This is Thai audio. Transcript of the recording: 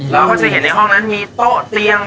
เราก็จะเห็นในห้องนั้นมีโต๊ะเตียง